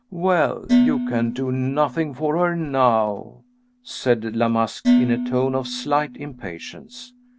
"Well, you can do nothing for her now," said La Masque, in a tone of slight impatience.